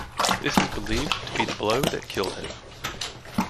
This is believed to be the blow that killed him.